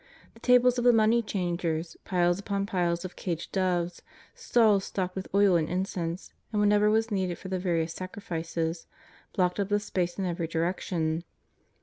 The tables of the money changers, piles upon piles of caged doves, stalls stocked with oil and incense, and wliatever was needed for the various sacrifices, blocked up the space in every direction.